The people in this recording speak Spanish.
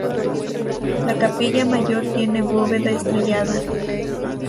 La capilla mayor tiene bóveda estrellada.